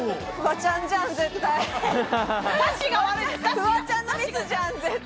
フワちゃんじゃん、絶対！